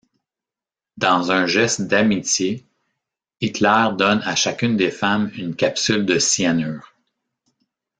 Dans un geste d'amitié, Hitler donne à chacune des femmes une capsule de cyanure.